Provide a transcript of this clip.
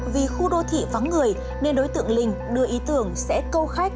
vì khu đô thị vắng người nên đối tượng linh đưa ý tưởng sẽ câu khách